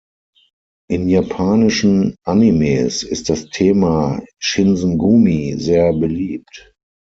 In japanischen Animes ist das Thema Shinsengumi sehr beliebt.